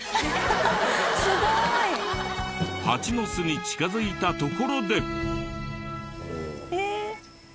すごい！ハチの巣に近づいたところで。